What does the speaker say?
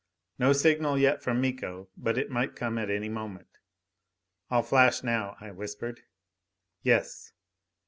No signal yet from Miko. But it might come at any moment. "I'll flash now," I whispered. "Yes."